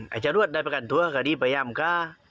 อาจารย์รวดได้ประกันทัวร์ก็ได้พยายามค่ะ